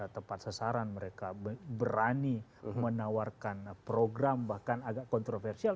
tepat sasaran mereka berani menawarkan program bahkan agak kontroversial